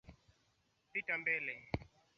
ukiwa unaishi karibu na mto au mfereji